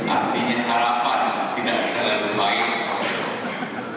artinya harapan tidak terlalu baik